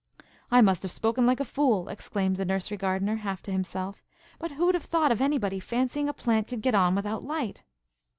"I must have spoken like a fool," exclaimed the nursery gardener, half to himself. "But who'd have thought of anybody fancying a plant could get on without light?